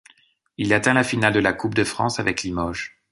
Il atteint la finale de la Coupe de France avec Limoges.